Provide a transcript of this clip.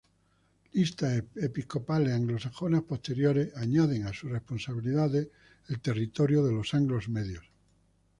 Listas episcopales anglosajonas posteriores añaden a sus responsabilidades el territorio de los Anglos Medios.